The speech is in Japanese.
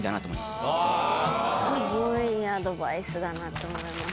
すごいいいアドバイスだなと思います。